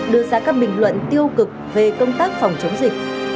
đưa ra các bình luận tiêu cực về công tác phòng chống dịch